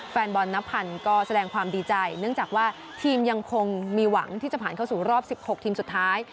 แฟนบอลนับพันก็แสดงความดีใจเนื่องจากว่าทีมยังคงมีหวังที่จะผ่านเข้าสู่รอบ๑๖ทีมสุดท้าย